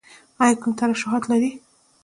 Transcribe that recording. ایا کوم ترشحات لرئ؟